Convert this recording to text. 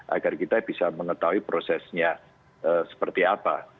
agar kita bisa mengetahui prosesnya seperti apa